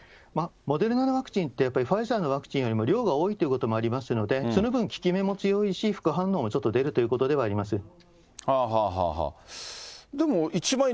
モデルナのワクチンって、やっぱりファイザーのワクチンよりも量が多いということもありますので、その分、効き目も強いし、副反応もちょっと出るということではあります。